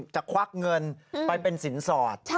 ควักเงินไปเป็นสินสอด